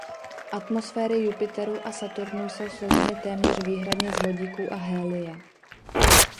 Atmosféry Jupiteru a Saturnu jsou složeny téměř výhradně z vodíku a helia.